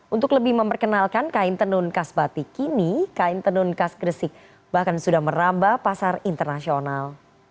untuk lebih memperkenalkan kain tenun kas batik kini kain tenun khas gresik bahkan sudah merambah pasar internasional